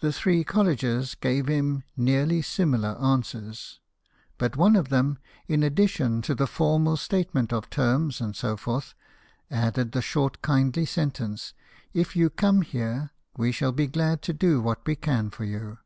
The three colleges gave him nearly siriilar answers : but one of them, in addition 148 BIOGRAPHIES OF WORKING MEN. to the formal statement of terms and so forth, added the short kindly sentence, "If you come here, we shall be glad to do what we can for you."